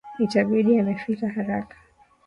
Itabidi amefika haraka.